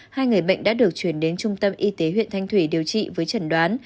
hai người bệnh đã được chuyển đến trung tâm y tế huyện thanh thủy điều trị với trần đoán